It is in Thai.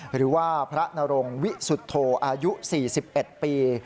หรือว่าพระนรงวิสุทธโธอายุ๔๑ปี